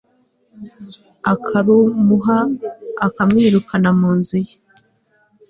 akarumuha, akamwirukana mu nzu ye